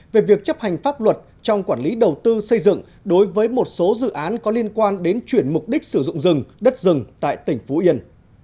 về việc chấp hành pháp luật trong quản lý đầu tư xây dựng đối với một số dự án có liên quan đến chuyển mục đích sử dụng rừng đất rừng tại tỉnh phú yên